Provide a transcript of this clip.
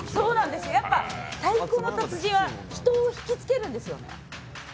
やっぱ「太鼓の達人」は人を引きつけるんですよ。